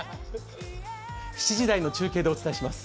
７時台の中継でお伝えします。